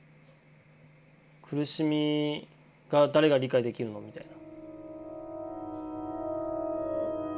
苦しみが誰が理解できるのみたいな。